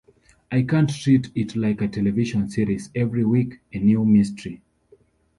I can't treat it like a television series, every week a new mystery.